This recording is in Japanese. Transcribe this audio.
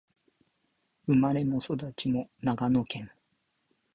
生まれも育ちも長野県